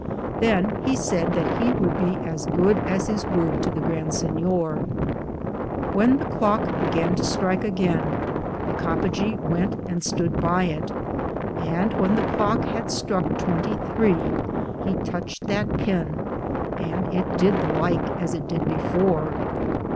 Than he sayde that he would be as good as his worde to the Grand Sinyor. When the clocke began to strick againe, the Coppagaw went and stood by it ; and when the clocke had strouke 23, he tuched that pinn, and it did the lyke as it did before.